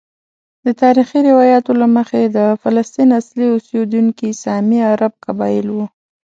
د تاریخي روایاتو له مخې د فلسطین اصلي اوسیدونکي سامي عرب قبائل وو.